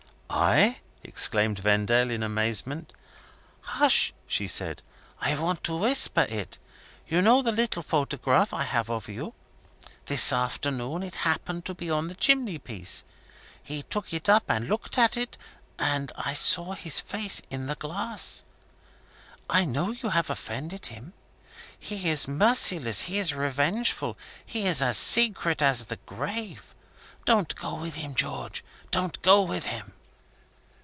"I!" exclaimed Vendale, in amazement. "Hush!" she said, "I want to whisper it. You know the little photograph I have got of you. This afternoon it happened to be on the chimney piece. He took it up and looked at it and I saw his face in the glass. I know you have offended him! He is merciless; he is revengeful; he is as secret as the grave. Don't go with him, George don't go with him!"